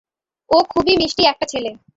ও খুবই মিষ্টি একটা ছেলে।